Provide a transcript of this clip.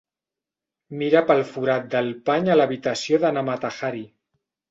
Mira pel forat del pany a l'habitació de na Mata-Hari.